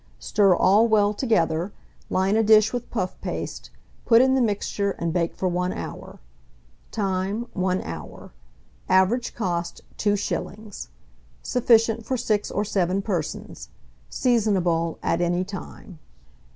Stir all well together; line a dish with puff paste, put in the mixture, and bake for 1 hour. Time. 1 hour. Average cost, 2s. Sufficient for 6 or 7 persons. Seasonable at any time.